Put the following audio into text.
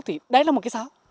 thì đấy là một cây sáo